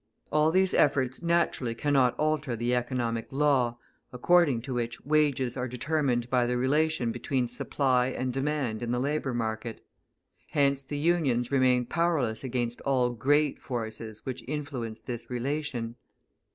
All these efforts naturally cannot alter the economic law according to which wages are determined by the relation between supply and demand in the labour market. Hence the Unions remain powerless against all great forces which influence this relation.